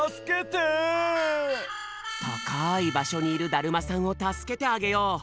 たかいばしょにいるだるまさんを助けてあげよう。